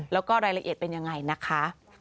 แล้วก็รายละเอียดเป็นยังไงนะคะ